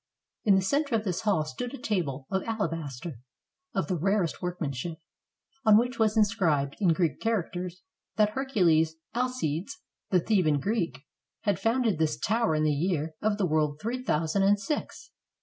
In the center of this hall stood a table of alabaster, of the rarest workmanship, on which was inscribed, in Greek characters, that Hercules Alcides, the Theban Greek, had founded this tower in the year of the world three thousand and six.